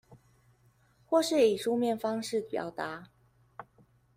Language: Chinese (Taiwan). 或是以書面方式表達